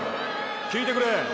きいてくれ。